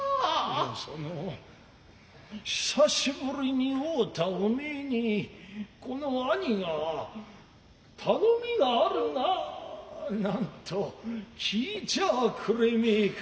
その久しぶりに会うたお前にこの兄が頼みがあるがなんと聞いちゃくれめえか。